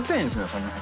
その辺。